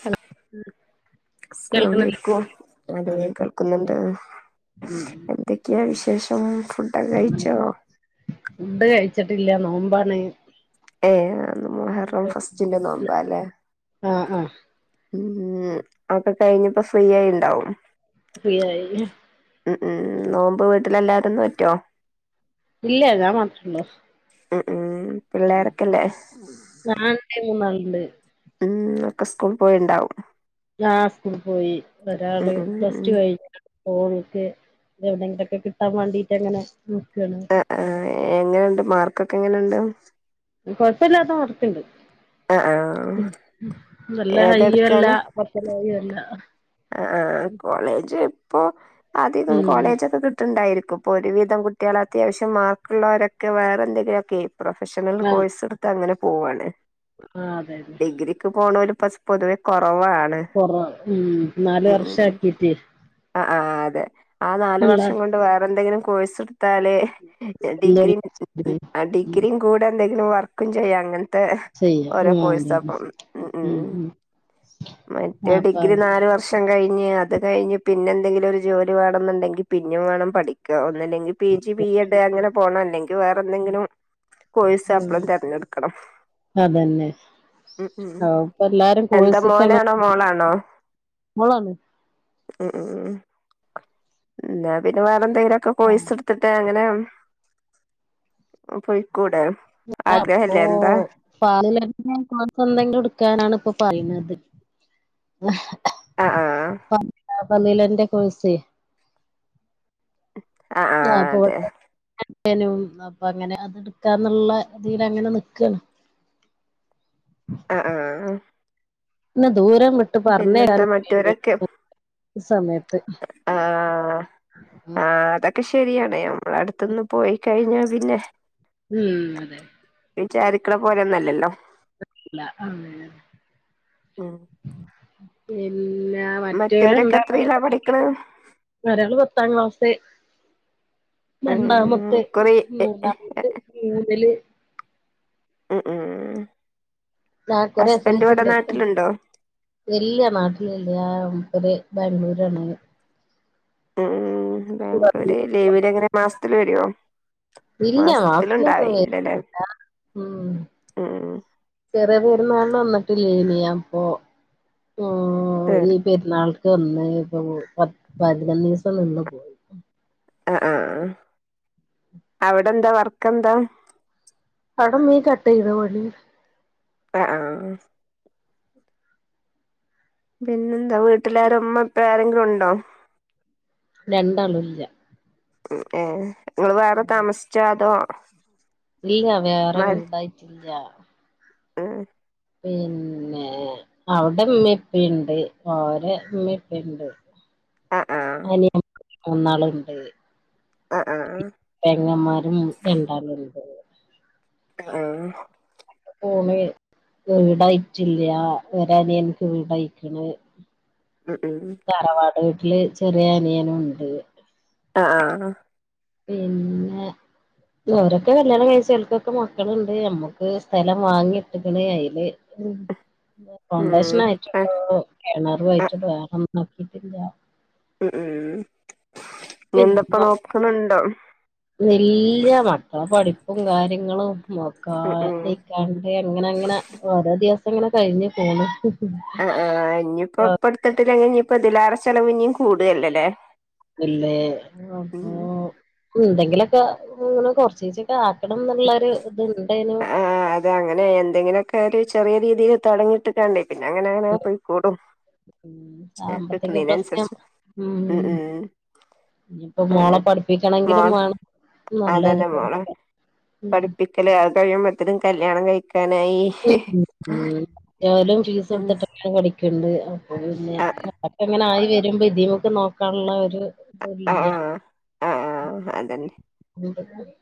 Hello അസ്സലാമു കേൾക്കുന്നില്ലേ അലൈക്കും നടുവേ വലൈക്കും മുസ്സലാം കേൾക്കുന്നുണ്ട് ഉം എന്തെക്കാ വിശ് കഴിച്ചോ മം ഫുഡോക്കെ കഴിച്ചോ ച്ചെട്ടില്ല നോമ്പാണ് യെ മുഹറം അപ്പൊ ഫസ്റ്റിന്റെ നോമ്പാല്ലേ ആഹ് ആഹ് ഉം അത് കഴിഞ്ഞപ്പോ ഫ്രീയായേണ്ടാവും ഫ്രീ ആയിയല്ലോ ഉം ഉം നോമ്പ് വീട്ടിലെല്ലാവാരും നോറ്റുവോ? ഇല്ല ഞാൻ മാത്രേ ഒള്ളു ഉം ഉം ഉം പിള്ളോരൊക്കെയില്ലോ ണ്ട് ഉം ഒക്കെ സ്കൂൾ പോയി ഇണ്ടാവും ആ സ്കുളിൽ പോയി ഒരാള് ഉം പ്ലസ്ടു ഉം കഴിഞ്ഞ് പോളി ക്കെ എവിടെങ്കിലൊക്കെ കിട്ടാൻ വേണ്ടിട്ട് അങ്ങനെ നോക്കുവല്ലോ എങ്ങനെയുണ്ട് മാർക്കൊക്കെ എങ്ങനെയുണ്ട് കൊഴപ്പ ല്ലാത്തമാർക്ക് ഉണ്ട് ആ ആ ഉം നല്ല ഏതാ ഹൈയ്യും അല്ല പറ്റ ലോയും അല്ല. ല്ല ആഹ് ആഹ് ആഹ് കോളേജ് കോ അധികം ഉം കോളേജൊക്കെ കിട്ട്ണ്ടായിരിക്കും. പ്പൊ ഒരുവിധം കുട്ടിയോള് അത്യാവശ്യം മാർക്ക്ള്ളോരൊക്കെ വേറെ എന്തെങ്കിലുക്കെ പ്രൊഫഷണൽ ആഹ് കോഴ്സ് എടുത്ത് അങ്ങനെ പോവാണ്. ആഹ് അതെ അതെ ഡിഗ്രിക്ക് പോണൊര് പ്ലസ് പൊതുവേ കുറ കൊറ ഉം നാല് വർഷാക്കീറ്റ് ആഹ് അതെ. ആ നാല് അല്ല വർഷം കൊണ്ട് വേറെന്തെങ്കിലും കോഴ്സെ ട്താല് ഡിഗ്രി ഡിഗ്രീം കൂടെ എന്തെ വർക്കും ചെയ്യാം ങ്ങനെ ചെയ്യാം ഓരോ ഉം അതന്നെ കോഴ്സ്സപ്പം ഉം മറ്റേ അപ്പ ഡിഗ്രി നാല് വർഷം കഴി ഞ്ഞാ അത് കഴിഞ് പിന്നെ എന്തെങ്കിലും ഒരു ജോലി വേണെന്നുണ്ടെങ്കി പിന്നെ വേണം പഠിക്കാ ന്നല്ലെങ്കി പി ജി ബി എഡ് അങ്ങന പോണം. വേറെന്തെങ്കിലും കോഴ്സ് അപ്പളും ഉം തെരഞ്ഞെട്ക്കണം. അതന്നെ ഉം ഉം ഇപ്പ എല്ലാരും എന്താ കോഴ്സ്ക്കാണ് മോനാണോ മോളാണോ? മോളാണ് ആഹ്. ഇല്ല പിന്നെ വേറെ എന്തെങ്കിലുംക്കെ ആഹ് കോഴ്സ് എടുത്തിട്ട് അങ്ങനെ മ് പോയ്‌ക്കൂടെ അപ്പൊ പല കോഴ്സ് എന്തെങ്കിലും എടുക്കാനാണ് ഇപ്പൊ പറയുന്ന ത് ആഹ് ആഹ് ഹ പ പല്ലല എന്തെ കോഴ്സ് ആഹ് ആ അതെ. നും അപ്പൊ അങ്ങനെ അത് എടുക്കാന്നുള്ള ഇതില് അങ്ങനെ നിക്കാണ്. ആഹ് ആഹ്. ന ദൂരം വിട്ട് പിന്നെന്താ പറഞ്ഞാനും മറ്റവരൊക്കെ പേടിയാണ് സമയത്ത് ആഹ് ആഹ് അത കഷ് ശരിയടയം ഇവിടെഅടുത്തുന്ന് പോയി കഴിഞ്ഞാൽ പിന്നെ ഉം അതെ വിചാരിക്ണപോലെഒന്നല്ലല്ലോ ആ ഉ ഉം പിന്ന മറ്റേല മറ്റവരൊക്കെ ഇണ്ടാണ് എത്രയിലാ പഠിക്കണെ ഒരാള് പത്താം ക്ലാസ്സ് ഉം രണ്ടാമത്ത് കുറി മൂന്നാമത്ത് മൂതല് മ് ആകുറിഎൽസി ഉണ്ട്ഇല്ലനാട്ടിൽ ഇല്ല ഒരു ബാംഗ്ലൂര് ആണ് ഓന് ഉം ബാംഗ്ലൂര് ലേവര് അങ്ങനെ മാസ ലേഡി യോ ഇല്ല മാസത്തിൽ ഒന്നു വരില്ല മ്മ് ഉം അത പെരുന്നാളിൻവന്നിട്ടില്ലേനിയൻ അപ്പൊ ആ ഏഹ് ഈ പെരുന്നാൾ അത് എന്നാപ്പോ പ ത്ത് പന്ത്രണ്ട്ദിവസംന്ന് പോയി ആ ആഹ അവിടെ എന്താ വർക്ക് എന്താ അവിടെമീൻ കട്ട് ചെയ്ത പണി ആഹ ആഹ് പിന്നെന്താ വീട്ടിലാരാ ഉമ്മ ഇപ്പ ആരെങ്കിലും ഉണ്ടോ രണ്ടാളും ഇല്ല ഉം ഏഹ് ങ്ങള് വേറെ താമസിച്ചാ അതോ [inaudible] ഇല്ല വേറെ വീടായിട്ടില്ല എഹ് പിന്നെ അവിടെ ഉമ്മീ ഉപ്പീണ്ട് ഓരെ ഉമ്മി ഉപ്പീണ്ട് ആഹ് ആഹ് അനിയ ന്നാളുണ്ട് ആഹ് ആഹ് പെങ്ങന്മാരും രണ്ടാള്ണ്ട് അ ആഹ് ഭൂമി വിടായിട്ടില്ല ഒരു അനിയൻക്ക് വിടായ്ക്ണ് ഉം ഉം തറവാട് വീട്ടില് ചെറിയ അനിയന്ഉണ്ട് അ ആഹ് പിന്നെ ഓരൊക്കെ കല്യാണ കഴ്ച്ച് ഓൽക്കൊക്കെ മക്കളുണ്ട് മ്മക്ക് സ്ഥലം വാങ്ങിട്ട്ക്ക്ണ് അയില് ഫൗണ്ടേഷൻ ഉം ആഹ് ആയിട്ടുള്ളൂ കിണറു ആഹ് ആയിട്ട് വേണം നോക്കിട്ടില്ല ഉം ഉം [unintelligible] നിന്തപ്പ നോക്കുന്നുണ്ടോ ഇല്ല മക്കള പഠിപ്പും കാര്യങ്ങളും മോക്കാ ഉം ഉം ഇക്കാണ്ട് ഇങ്ങനെങ്ങനെ ഓരോ ദിവസം ങ്ങനെ കഴിഞ്ഞ് പോണ് അ ആഹ് ഇനിയിപ്പോ പ്പടുത്തെട്ട കഴിഞ് ഇനീപ്പോ തിലേറെ ചെലവ് ഇനിയും കൂടുവല്ലേ ലേ ഇല്ലേ അപ്പോ എന്തെങ്കിലൊക്കെങ്ങനെ കൊറചീച്ചൊക്കെ ആ ണം എന്നുള്ളൊരു ഇത് ഇണ്ടേനു ര് ചെറിയ രീതിയിൽ തുടങ്ങീട്ട് കണ്ടീ പിന്നെ അങ്ങനെ അങ്ങനെ പോയിക്കൂടും ഉം സാമ്പത്തിക പ്രശ്നം കിട്ടുന്നതിനനുസരിച്ച് ഉം നിപ്പൊ അതെ മോളെ പഠിപ്പിക്കണെങ്കിലും മോൾ വേണം നല്ലൊരു അതന്നെ മോളെ സംഖ്യ പഠിപ്പിക്കല് അത് [unintelligible] കല്യാണം കഴി ഉം ഉം ഉം ന്നാലും ഫിസൊടുത്തെക്കെ പഠിക്കുളു ണ്ടു അഹ് ആ പ്പ ങ്ങനെ ആയി വേ വരുമ്പോ ഇതീമക്ക് നോക്കാനുള്ള ഒരു ആ തുല്ല ആ ആ അതന്നെ [unintelligible]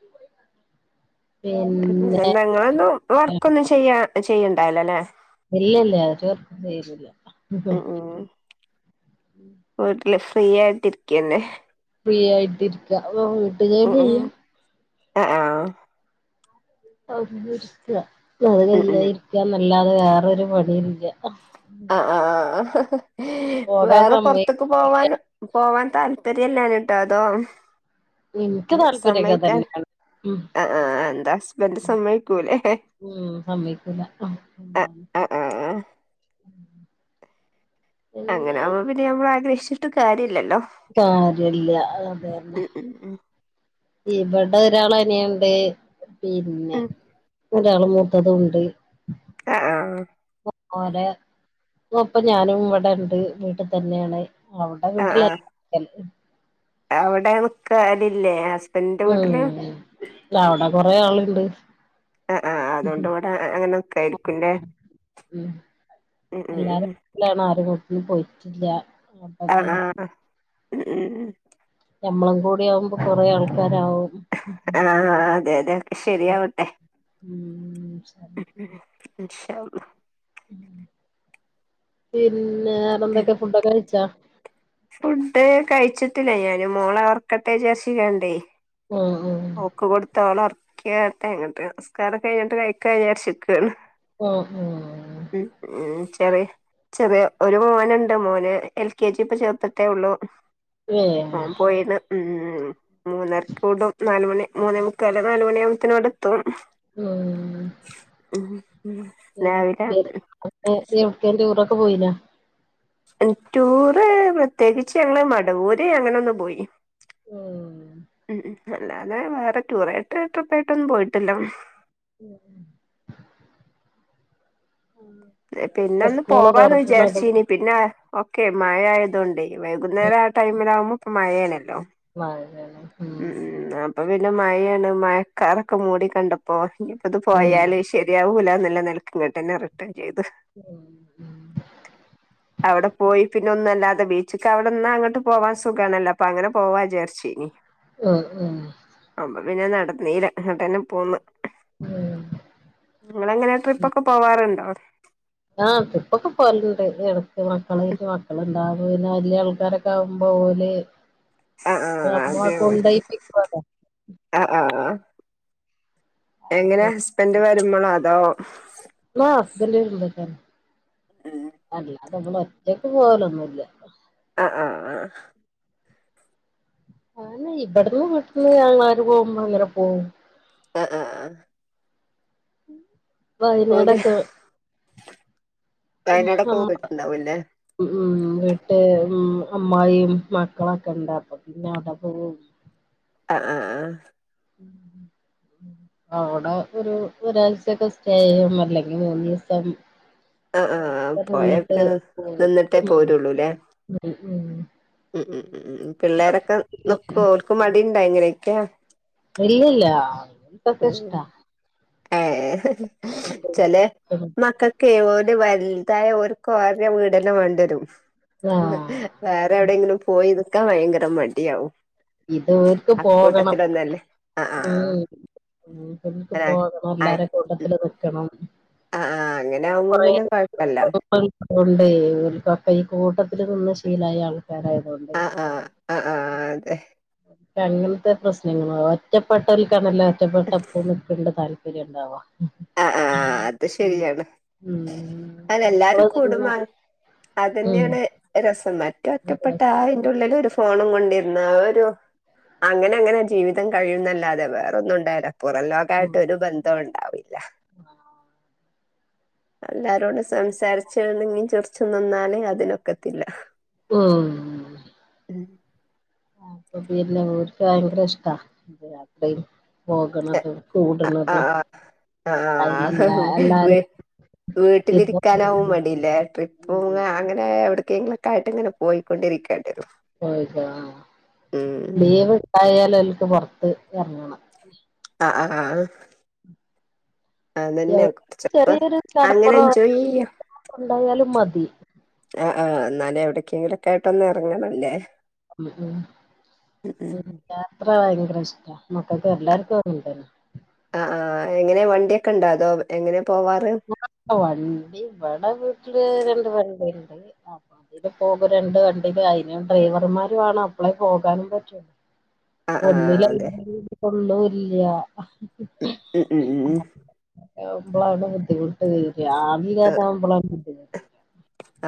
ഞങ്ങളൊന്നും പ്പൊ വർക്ക് ഒന്നും ചെയ്യാ ചെയ്യുണ്ടാവുല്ല ല്ലേ? ഇല്ല ഇല്ല ഉം [unintelligible] ഉം അല്ല ഫ്രീ ആയിട്ടിരിക്കന്നെ ഫ്രീ ആയിട്ടിരിക്ക ഓ വീട്ടൂ ജോലി ചെയ്യ ആ [unintelligible] ജോലി ഉം ഉം ഇലായിരിക്ക മെ ഇല്ലാതെ വേറൊരു പണിയില്ല അഹ് ഹ ഹ വേറെ പൊറത്തേക്ക് പോവാൻ പോവാൻ താല്പര്യം ഇല്ലാഞ്ഞിട്ടോ അതോ എനിക്ക് താല്പര്യൊക്കെ സമ്മയ്ക്കാൻ തന്നെയാണ് ഉം ആഹ് ആഹ് എന്താ ഹസ്ബൻഡ് സമ്മയ്ക്കൂലേ ഉം സമ്മയ്ക്കൂല്ല ആഹ് ആഹ് ആഹ് പിന്നെ അങ്ങനാവുമ്പോ പിന്നെ നമ്മള് ആഗ്രഹിച്ചി ട്ട് കാര്യ കാര്യല്ല അതന്നെ ഉം ഉം ഉം ഇവിടെ ഒരാൾ അനിയണ്ടേ പിന്നെ ഉം ഒരാള് മൂത്തതും ഉണ്ട് ആ ആ ഓര ഇപ്പ ഞാനും ഇവിടെ ഉണ്ട് വീട്ടി തന്നെയാണ് അവളുടെ വീട്ടിലല്ല എൻ എവിടേണ് പാടില്ലേ എന്റെ ഉം വീട്ടില് അവിടെ കൊറേ ആളുണ്ട് ആ ആ അതുകൊണ്ട് ഇവിടെ അങ്ങനൊക്കെ ആയിരിക്കും ല്ലേ ഉം ഉം ഉം ഉം ഇന്ന് പോയിട്ടില്ല അപ്പൊ പിൻ മ് മ് ഞമ്മളും കൂടി ആവുമ്പോ കൊറേ ആൾക്കാരാവും ആ അതെ അതെ ശരിയാവട്ടെ ഉം ശരി. ഉ [unintelligible] അ [unintelligible] ഉ ശരി [unintelligible] പിന്ന വേറെ എന്തൊക്കെ ഫുഡൊക്കെ കഴിച്ചാ ഫുഡ് കഴിച്ചിട്ടില്ല ഞാൻ മോളെ ർക് ക്കട്ടെ ശീലണ്ടേ ഉം ഉം ഓക്ക് കൊടുത്ത് ഓളർ കേട്ടങ്ങട്ട് നിസ്കാരം കഴിഞ്ഞിട്ട് കഴിക്ക വിചാരിച്ച് നിക്കയാണ് ഓ ഓ ചെറി ചെറിയ ഒരു മോനുണ്ട് മോന് എൽ കെ ജി ഇപ്പ ചേർത്തിട്ടേ ഉള്ളു ഏഹ് ഓൻ പോയിന്ന് ഉം ഉം മൂന്നർക്കൂടും നാലല് മണി മൂന്ന് മുക്കാല നാലു മണിയാവുമ്പോൾ തന്നെ ഇവിടെ എത്തും ഇപ്പം. ഉം ഉം രാവിലെയാണ് എവിടേക്ക് ടൂറൊക്കെ പോയില്ല ടൂർ പ്രത്യേകിച്ച് ഞങ്ങള് മടവൂര് അങ്ങനെൊന്ന് പോയി ഉം ഉം ഉം അല്ലാതെ വേറെ ടൂർ ആയിട്ട് ട്രിപ്പ് ആയിട്ടൊന്നും പോയിട്ടില്ലോ ഉം പിന്നെ ഒക്കെ ഒന്ന് സ്കൂള് പോവാന്ന് തുറക്കണതും വിചാർച്ചീനി പിന്നെ ഓക്കെ മഴ ആയതുകൊണ്ട് വൈകുന്നേരം ആ ടൈമിൽ ആവുമ്പോൾ ഇപ്പ മഴയാണല്ലോ ആ ഉം ഉം അപ്പൊ നല്ല മഴയാണ് മഴക്കാറൊക്കെ മൂടി കണ്ടപ്പോ ഇ ഇപ്പ ഇത് ഉം പോയാല് ശരിയാവൂല [unintelligible] ഉം ഏത്അവിടെ പോയി പിന്നെ ഒന്നുമല്ലാതെ ബീച്ചക്ക് അവിടെന്ന് അങ്ങ് പോവാൻ സുഖമാണല്ലോ അൊ അങ്ങനെ പോവാ വിചാരിച്ചിനി ഹ ഉ പിന്നെ നടുന്നീല എന്നട്ട് തന്നെ പോന്ന് ഉഹ നിങ്ങെങ്ങനെ ട്രിപ്പ ഒക്കെ പോവാറുണ്ടോ ആപ്പൊക്കെ പോലുണ്ട് ഇടത്ത് മക്കളട്ട് മക്കള ഇണ്ടാവും പിന്നെ വലിയ ആൾക്കാരൊക്കെ ആകുമ്പോ പോലെ ആ ആ അമ്മ അതെ കൊണ്ടോയിട്ട് വരാം ആ ആ എങ്ങനെ ഹസ്ബൻഡ് നമ്മളതോ [unintelligible] ആഹ അത് നമ്മൾ ഒറ്റയ്ക്ക് പോകലൊന്നുമില്ല ആ ആ ആന്നേ ഇവിടന്ന് വീട്ടന്ന് ഞങ്ങ ആര് പോകുമ്പോ അങ്ങനെ പോകവും ആഹ ആഹ ആ [unintelligible] ഓല് വയനാടക്ക വയനാടൊക്കെ മ്മ പോയിട്ടുണ്ടാവൂല്ലേ ഉ വിട്ട് ഉം അമ്മായി മക്കളൊക്കെ ഉണ്ട് അപ്പൊ പിന്നെ അവിടെ പോകവും ആഹ ആഹ ആഹ അവിടെ ഒരു ഒരാഴ്ചയക്കെ സ്റ്റേ ചെയ്യും അല്ലെങ്കിൽ ഒരു ദിവസം ആ ആ അങ്ങനൊക്കെ പോയേ നിന്നിട്ട് പിന്ന പോരും നിന്നിട്ടേ ഉം പോരുള്ളൂല്ലേ ഉം ഉം ഉം ഉം ഉം ഉം പിള്ളേരൊക്കെ നിക്കുവൊ ഓര്ക്ക് മടീണ്ടായ്ട്ല്ലെ ക്കെയ ഇല്ലില്ല പ്പക്കഷ്ട ആ ചെലെ മക്ക കേ ഓല് വലുതായ ഓര്ക്കോര വീടെന്നെ വേണ്ടിവരും ആഹ് വേറെ എവിടെയെങ്കിലും പോയിത് ക്ക ഭയങ്കര മണ്ടിയാവും ഇതോര്ക്ക് പോകണം ആഹ് ആഹ് ഉം ഇതക്ക് ആഹ് പോകണം എല്ലാരും കൂട്ടത്തിൽ നിൽക്കണം ആ ആ അങ്ങനെ ആവുമ്പോ പിന്നെ കൊയപ്പില്ല ഉണ്ട്ഈ ഓര്ക്കക്ക ഈ കൂട്ടത്തിൽ നിന്ന ശീലയായി ആ ആ ആ ആ അതെ അങ്ങനത്തെ പ്രശ്നങ്ങള ഒറ്റപ്പെട്ട [unintelligible] [unintelligible] [unintelligible] ആ ആ അത് ശരിയാണ് ഉം അതെല്ലാരും കൂടുമ്പ നമ്മളിതിങ്ങനെ ഉം അതന്നയാണ് രസം മറ്റേ ഒറ്റപ്പെട്ട ആ അയ്ന്റ ഉള്ളിലത്തെ ഫോണും കൊണ്ടിരുന്ന ഒരു അങ്ങനെ അങ്ങനെ ജീവിതം കഴിയുന്നല്ലാതെ വേറ ഒന്നും ഉണ്ടല്ലോ പുറം ലോകായിട്ട് ഉം ഒരു ബന്ധൊണ്ട് [unintelligible] എല്ലാരോടും സംസാരിച്ചണങ്ങിചിറച്ച് നിന്നാലേ അതിനൊക്കത്തില്ല ഉം [inaudible] ഓര്ക്ക് ഭയങ്കര ഇഷ്ടാ യത്രയും ആ ആ അയിലെല്ലാ എല്ലാരും വീട്ടിലിരിക്കാൻ മടില്ലേ ട്രിപ്പ് പോ ഉം അങ്ങനെ എവിടെ കുങ്ങളക്കായി [unintelligible] ട്ട് ഇങ്ങനെ പോയിക്കൊണ്ടരിക്കയാണ് പോയി പോ ആ ഉം ലീവ് ഉണ്ടായാല [inaudible] ഇറങ്ങണം ആ ആആ ചെറിയൊരു അങ്ങനെ എൻജോയ് ചെയ്യ കടപ്പുറംണ്ടായാലും മതി ആ ആഹ് എന്നാലേ എവിടക്കെങ്കിലും ഒക്കെ ആയിട്ടൊന്നന്ന് ഇറങ്ങണല്ലേ യാത്ര വാങ്ങ- പ്രശ്നം മക്കൾക്ക് എല്ലാർക്കും അത് ഉണ്ടല്ലോ ആ ആ എങ്ങനെ വണ്ടിയൊക്കെ ഉണ്ടാതോ എങ്ങനെ പോവാറ് വണ്ടിഇവടെ വീട്ടില് രണ്ട് വണ്ടി അതില് പോകും രണ്ട് കണ്ടില് അതി ഡ്രൈവർമാരും ആണ അപ്പളേ പോകാനും പറ്റുള്ളൂ ആഹ് ആഹ് ഒന്നില് അതെ കൊള്ളൂല ഇല്ല ഉം ഉം ഉം ഉ അങ്ങനെ ആവുമ്പോളാ ബുദ്ധിമുട്ട് രാവിലെ ആവുമ്പോളാ ബുദ്ധിമുട്ട്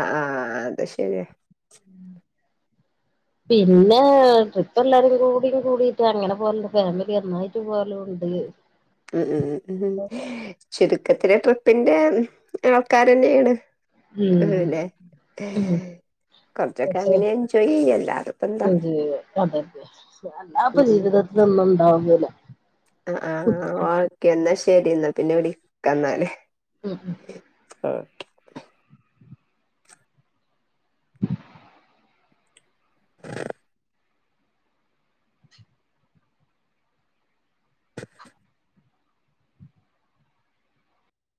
ആഹ് ആഹ് അത് ശരിയ പിന്നെ ട്രിപ്പ് എല്ലാരും കൂടിയും കൂടിട്ട് അങ്ങനെ പോലണ്ട് ഫാമിലി ഒന്നായിട്ട് പോലും ഉണ്ട് ഉം ഉം ഉ ഉം ഉ ശരി ഒക്കെ ട്രിപ്പിന്റെ ആൾക്കാാര തന്നെയാണ് കൊറച്ചൊക്കെ പക്ഷെ അങ്ങനെ എൻജോയ് ചെയ്യ അല്ലാതിപ്പെന്താ എ അത അല്ലാപ്പൊ ജീവിതത്തിൊന്നും ഉണ്ടാവുകില്ല [inaudible] ആ് ഓക്കെ എന്നാ ശരി എന്നാ പിന്നെ വിളിക്കാന്നാൽ ഉം ഉം ആഹ